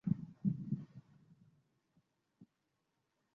যদি সেখানে পৌঁছুতে আমাদের দেরি হয়ে যেত?